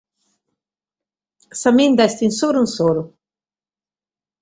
Sa minda est oru oru.